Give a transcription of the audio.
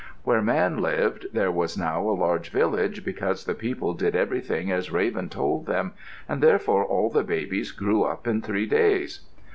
Where Man lived there was now a large village because the people did everything as Raven told them, and therefore all the babies grew up in three days.